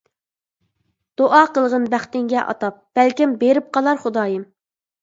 دۇئا قىلغىن بەختىڭگە ئاتاپ، بەلكىم بېرىپ قالار خۇدايىم.